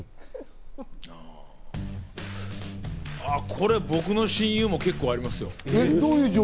これ、僕の親友も結構ありますよ。